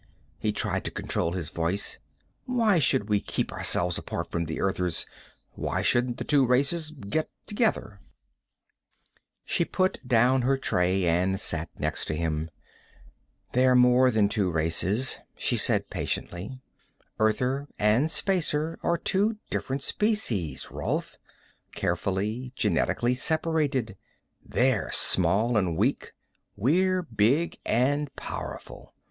He tried to control his voice. "Why should we keep ourselves apart from the Earthers? Why shouldn't the two races get together?" She put down her tray and sat next to him. "They're more than two races," she said patiently. "Earther and Spacer are two different species, Rolf. Carefully, genetically separated. They're small and weak, we're big and powerful.